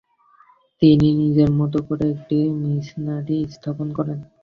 তিনি নিজের মত করে একটি মিশনারি স্থাপন করেন।